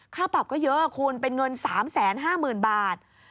ค่าปรับก็เยอะคุณเป็นเงิน๓๕๐๐๐บาท